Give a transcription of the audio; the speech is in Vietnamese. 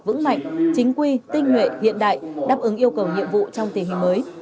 vững mạnh chính quy tinh nhuệ hiện đại đáp ứng yêu cầu nhiệm vụ trong tình hình mới